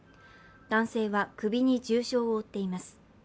男性は首に重傷を負っています。